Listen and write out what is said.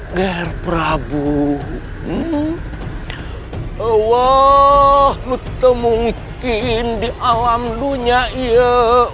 nger prabu wah lu temungkin di alam dunia ya